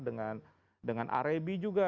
dengan dengan rab juga